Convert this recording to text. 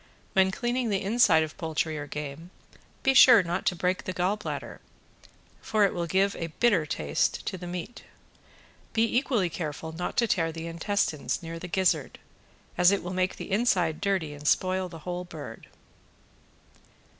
When cleaning the inside of poultry or game be sure not to break the gall bladder, for it will give a bitter taste to the meat. Be equally careful not to tear the intestines near the gizzard, as it will make the inside dirty and spoil the whole bird.